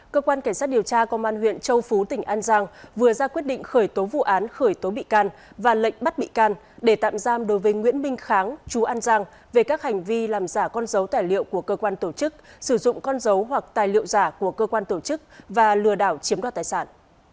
cơ quan cảnh sát điều tra công an huyện châu phú tỉnh an giang vừa ra quyết định khởi tố vụ án khởi tố bị can và lệnh bắt bị can để tạm giam đối với nguyễn minh kháng chú an giang về các hành vi làm giả con dấu tài liệu của cơ quan tổ chức sử dụng con dấu hoặc tài liệu giả của cơ quan tổ chức và lừa đảo chiếm đoạt tài sản